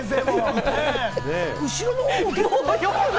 後ろの方も結構。